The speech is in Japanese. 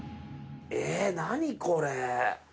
え何これ！？